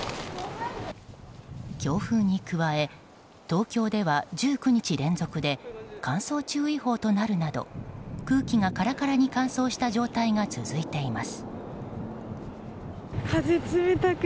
強風に加え東京では１９日連続で乾燥注意報となるなど空気がカラカラに乾燥した状態が続いています。